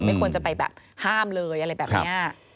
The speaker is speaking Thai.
ควรจะไปแบบห้ามเลยอะไรแบบนี้